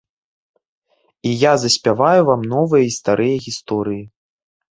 І я заспяваю вам новыя і старыя гісторыі.